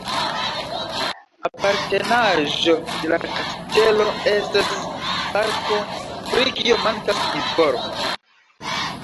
Apartenaĵo de la kastelo estas parko, pri kio mankas informoj.